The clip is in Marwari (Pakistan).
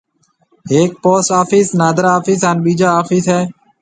ھيَََڪ پوسٽ آفس ، نادرا آفس ھان ٻيجا آفس ھيََََ